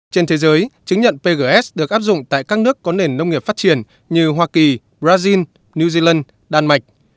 trên thế giới chứng nhận pgs được áp dụng tại các nước có nền nông nghiệp phát triển như hoa kỳ brazil new zealand đan mạch